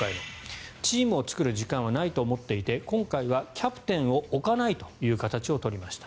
チームを作る時間はないと思っていて今回はキャプテンを置かないという形を取りました。